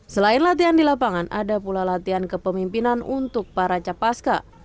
selain latihan di lapangan ada pula latihan kepemimpinan untuk para capaska